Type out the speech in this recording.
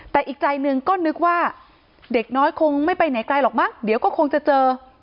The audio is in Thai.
แต่อีกใจหนึ่งก็นึกว่าเด็กน้อยคงไม่ไปไหนไกลหรอกมั้งเดี๋ยวก็คงจะเจอ